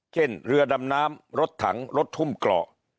เช่นเรือดำน้ำรถถังรถทุ่มเกราะ